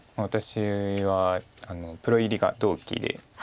私はプロ入りが同期で。